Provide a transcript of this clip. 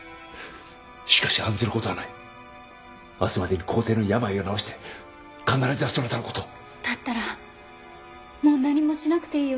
しかし案ずることはない明日までに皇帝の病を治して必ずやそなたのことをだったらもう何もしなくていいよ